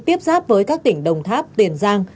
tiếp giáp với các tỉnh đồng tháp tiền giang